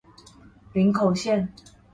林口線